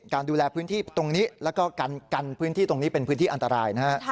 ดูแลพื้นที่ตรงนี้แล้วก็กันพื้นที่ตรงนี้เป็นพื้นที่อันตรายนะฮะ